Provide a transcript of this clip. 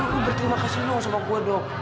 berterima kasih dong sama gue dong